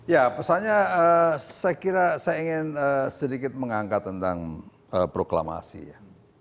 ya pesannya saya kira saya ingin sedikit mengangkat tentang proklamasi ya